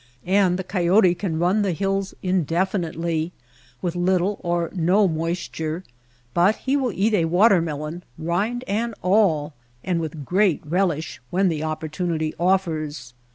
And the coyote can run CACTUS AND GREASEWOOD 139 the hills indefinitely with little or no moisture ; but he will eat a water melon, rind and all, and with great relish, when the opportunity offers.